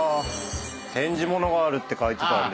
展示物があるって書いてたんで。